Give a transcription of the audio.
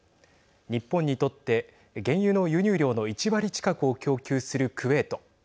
日本にとって原油の輸入量の１割近くを供給するクウェート。